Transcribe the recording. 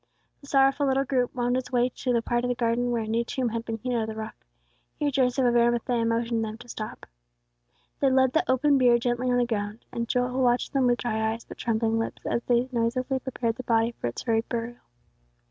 The sorrowful little group wound its way to a part of the garden where a new tomb had been hewn out of the rock; here Joseph of Arimathea motioned them to stop. They laid the open bier gently on the ground, and Joel watched them with dry eyes but trembling lips, as they noiselessly prepared the body for its hurried burial.